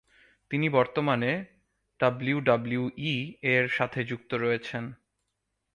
তিনি বর্তমানে ডাব্লিউডাব্লিউই এর সাথে যুক্ত রয়েছেন।